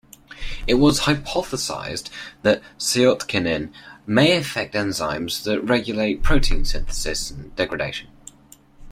It was hypothesized that cytokinin may affect enzymes that regulate protein synthesis and degradation.